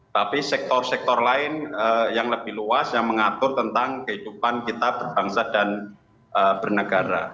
tapi sektor sektor lain yang lebih luas yang mengatur tentang kehidupan kita berbangsa dan bernegara